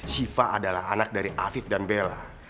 siva adalah anak dari afif dan bella